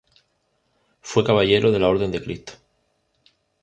Fue caballero de la Orden de Cristo.